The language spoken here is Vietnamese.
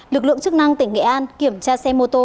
lực lượng chức năng tỉnh nghệ an kiểm tra xe mô tô